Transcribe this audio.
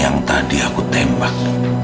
yang tadi aku tembak